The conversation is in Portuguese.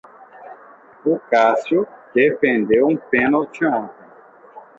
O Cássio defendeu um pênalti ontem.